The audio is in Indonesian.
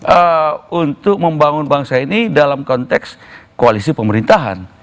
untuk membangun bangsa ini dalam konteks koalisi pemerintahan